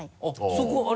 そこあれ？